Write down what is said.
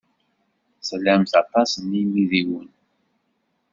Tlamt aṭas n yimidiwen.